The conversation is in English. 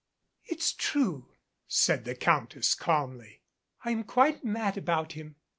"It's true," said the Countess calmly. "I am quite mad about him.